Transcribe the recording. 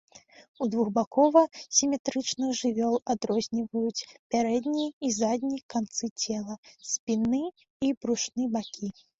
У двухбакова-сіметрычных жывёл адрозніваюць пярэдні і задні канцы цела, спінны і брушны бакі.